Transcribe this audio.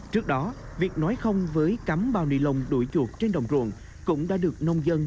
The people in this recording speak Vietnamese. trước đó việc nói không với cắm bao nilon đuổi chuột trên đồng ruộng cũng đã được nông dân